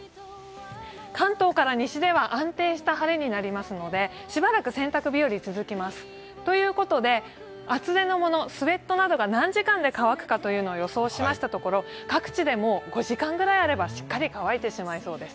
関東から西では安定した晴れになりますのでしばらく洗濯日和続きます。ということで、厚手のもの、スウェットなどが何時間で乾くか予想しましたところ、各地で５時間ぐらいあればしっかり乾いてしまいそうです。